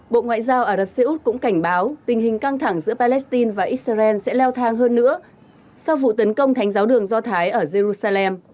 bộ ngoại giao ả rập xê út cũng cảnh báo tình hình căng thẳng giữa palestine và israel sẽ leo thang hơn nữa sau vụ tấn công thánh giáo đường do thái ở jerusalem